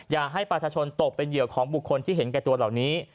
อย่าให้ประชาชนตกเป็นเหยื่อของบุคคลที่เห็นแก่ตัวเหล่านี้